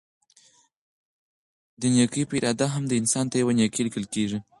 د نيکي په اراده هم؛ انسان ته يوه نيکي ليکل کيږي